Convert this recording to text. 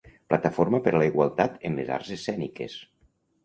Plataforma per la Igualtat en les Arts Escèniques.